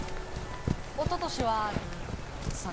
おととしは３着。